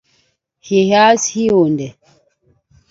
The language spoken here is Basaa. Hias hi hiônde .